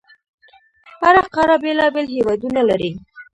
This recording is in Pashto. هره قاره بېلابېل هیوادونه لري.